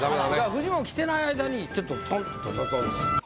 フジモン来てない間にちょっとトンと取ったんです。